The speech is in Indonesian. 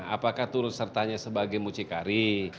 apakah turut sertanya sebagai mucikari